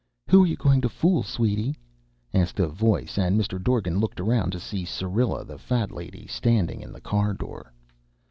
"Who you goin' to fool, sweety?" asked a voice, and Mr. Dorgan looked around to see Syrilla, the Fat Lady, standing in the car door.